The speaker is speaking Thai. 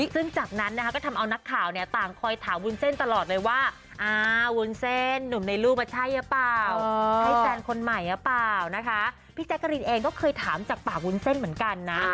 ซึ่งจากนั้นนะคะก็ทำเอานักข่าวเนี่ยต่างคอยถามวุ้นเส้นตลอดเลยว่าอ้าววุ้นเส้นหนุ่มในรูปมันใช่หรือเปล่าให้แฟนคนใหม่หรือเปล่านะคะพี่แจ๊กกะรินเองก็เคยถามจากปากวุ้นเส้นเหมือนกันนะ